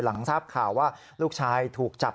หลังทราบข่าวว่าลูกชายถูกจับ